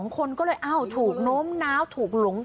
คนก็เลยอ้าวถูกโน้มน้าวถูกหลง